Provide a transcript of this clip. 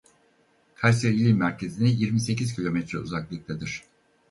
Kayseri il merkezine yirmi sekiz kilometre uzaklıktadır.